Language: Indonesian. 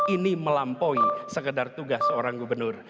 ini melampaui sekedar tugas seorang gubernur